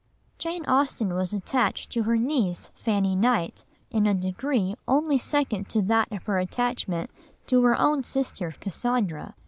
Jane Austen was attached to her niece Fanny Knight in a degree only second to that of her attachment to her own sister Cassandra.